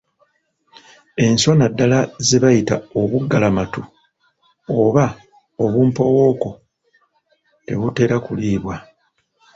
Enswa naddala ze bayita obuggalamatu oba obumpowooko tebutera kuliibwa.